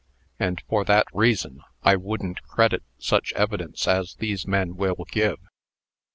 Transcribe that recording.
And for that reason I wouldn't credit such evidence as these men will give."